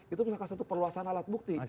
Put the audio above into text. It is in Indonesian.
itu misalkan satu perluasan alat bukti